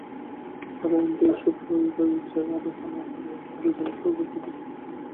তাহারা ইন্দ্রিয়সুখভোগই চায়, আর উহা না পাইলে তাহারা যেন স্বর্গ হইতে চ্যুত হয়।